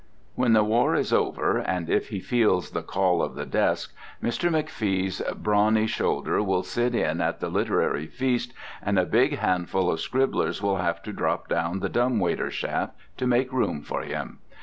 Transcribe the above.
When the war is over, and if he feels the call of the desk, Mr. McFee's brawny shoulder will sit in at the literary feast and a big handful of scribblers will have to drop down the dumb waiter shaft to make room for him.